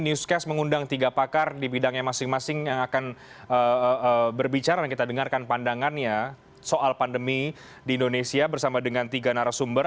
newscast mengundang tiga pakar di bidangnya masing masing yang akan berbicara dan kita dengarkan pandangannya soal pandemi di indonesia bersama dengan tiga narasumber